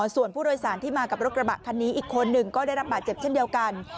ส่วนผู้โดยสารที่มากับรถกระบะคันนี้อีกคนหนึ่งก็ได้รับบาดเจ็บเช่นเดียวกัน